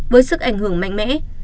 với sức ảnh hưởng mạnh mẽ